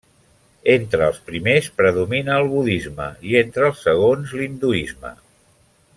Entre els primers predomina el budisme i entre els segons l'hinduisme.